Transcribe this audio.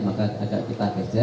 maka agar kita bekerja